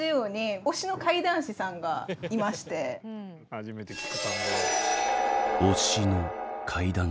初めて聞く単語だ。